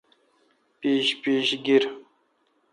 پِیش پیش گیرہ۔